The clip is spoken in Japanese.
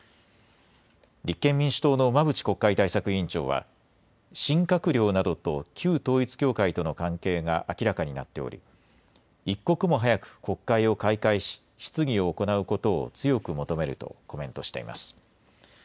立憲民主党の馬淵国会対策委員長は、新閣僚などと旧統一教会との関係が明らかになっており、一刻も早く国会を開会し、質疑を行うことを強く求めるとコメントしています。